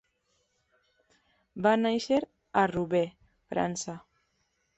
Va néixer a Roubaix, França.